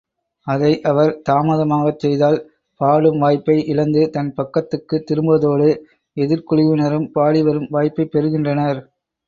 அதை அவர் தாமதமாகச் செய்தால், பாடும் வாய்ப்பை இழந்து, தன் பக்கத்துக்குத் திரும்புவதோடு எதிர்க்குழுவினரும் பாடிவரும் வாய்ப்பைப் பெறுகின்றனர்.